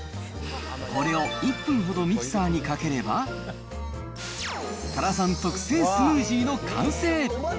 これを１分ほどミキサーにかければ、多良さん特製スムージーの完成。